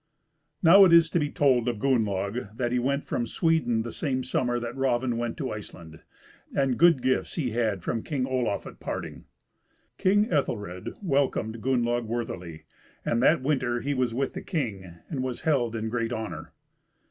Now it is to be told of Gunnlaug that he went from Sweden the same summer that Raven went to Iceland, and good gifts he had from King Olaf at parting. King Ethelred welcomed Gunnlaug worthily, and that winter he was with the king, and was held in great honour.